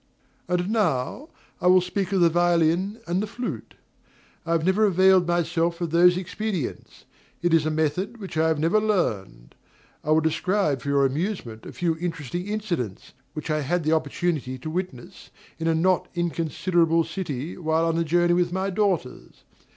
And now I will speak of the violin and the flute. I have never availed myself of those expedients; it is a method which I have never learned. I will describe for your amusement a few interesting incidents, which I had an opportunity to witness in a not inconsiderable city, while on a journey with my daughters.